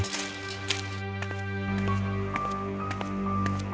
dia mencoba untuk mencoba